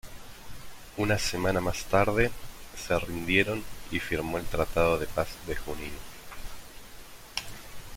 Una semana más tarde, se rindieron y firmó el tratado de paz de Junín.